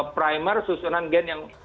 primer susunan gen yang